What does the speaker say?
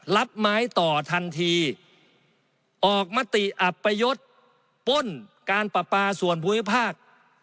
รับไม้ต่อทันทีออกมาติอัปยศป้นการปราปาส่วนภูมิภาค